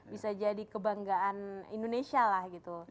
bisa jadi kebanggaan indonesia lah gitu